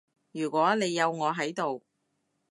如果你有我喺度